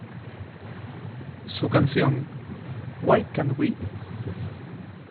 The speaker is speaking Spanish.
Su canción, "Why Can't We?